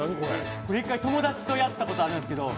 一回、友達とやってことあるんですけど